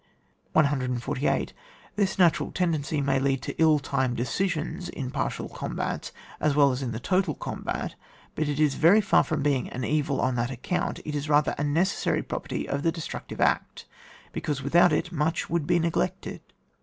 148. This natural tendency may lead to ill timed decisions in partial combats as well as in the total combat, but it is very far from being an evil on that ac count ; it is rather a necessary property of the destructiTe act, because without it much would be neglected.